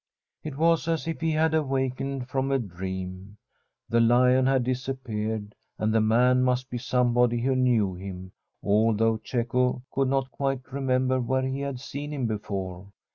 It was as if he had awakened from a dream. The lion had disappeared, and the man must be somebody who knew him, although Cecco could not quite remember where he had seen him before.